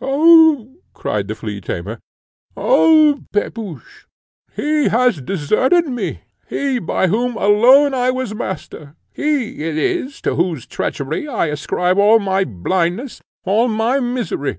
"Oh!" cried the flea tamer, "O, Pepusch! HE has deserted me! HE by whom alone I was master HE it is to whose treachery I ascribe all my blindness, all my misery!"